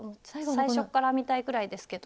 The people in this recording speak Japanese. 最初から編みたいくらいですけど。